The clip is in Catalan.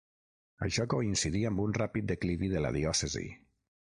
Això coincidí amb un ràpid declivi de la diòcesi.